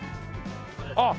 あっ！